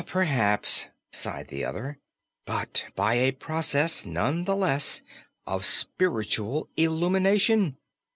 "Perhaps," sighed the other; "but by a process, none the less, of spiritual illumination.